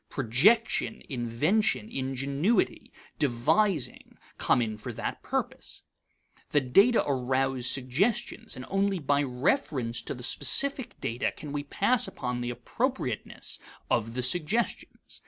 Projection, invention, ingenuity, devising come in for that purpose. The data arouse suggestions, and only by reference to the specific data can we pass upon the appropriateness of the suggestions.